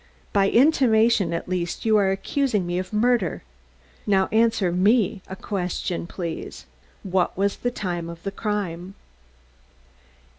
By intimation, at least, you are accusing me of murder. Now answer me a question, please. What was the time of the crime?"